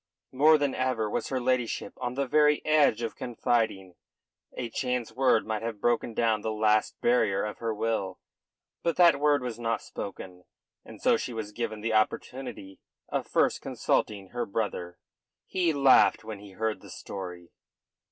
More than ever was her ladyship on the very edge of confiding. A chance word might have broken down the last barrier of her will. But that word was not spoken, and so she was given the opportunity of first consulting her brother. He laughed when he heard the story.